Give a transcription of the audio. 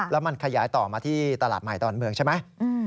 แล้วมันขยายต่อมาที่ตลาดใหม่ดอนเมืองใช่ไหม